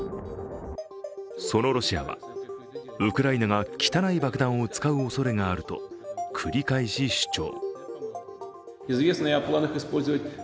そのロシアは、ウクライナが汚い爆弾を使うおそれがあると繰り返し主張。